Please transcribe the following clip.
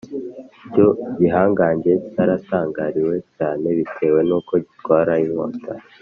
Icyo gihangage cyaratangariwe cyane bitewe nuko gitwara inkota